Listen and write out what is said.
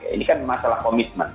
ini kan masalah komitmen